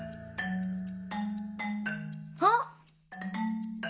あっ！